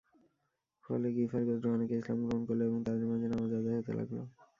ফলে গিফার গোত্রের অনেকে ইসলাম গ্রহণ করল এবং তাদের মাঝে নামায আদায় হতে লাগল।